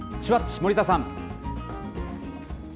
森田さん。